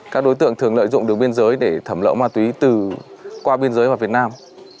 các đối tượng thường lợi dụng đường biên giới để thẩm lỡ ma túy từ qua biên giới vào việt nam